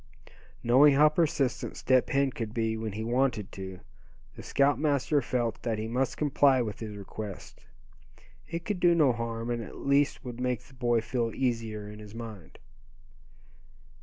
Knowing how persistent Step Hen could be when he wanted to, the scoutmaster felt that he must comply with his request. It could do no harm, and at least would make the boy feel easier in his mind.